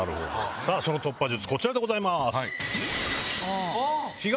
その突破術こちらでございます。